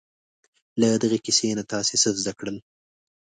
له دغې کیسې نه تاسې څه زده کړل؟